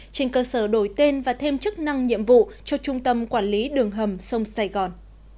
trên cơ sở đổi tên và thêm chức năng nhiệm vụ cho trung tâm quản lý đường hầm sông sài gòn